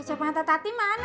kacau pantat hati mana mak